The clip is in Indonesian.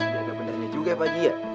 jaga bendanya juga ya pak ji ya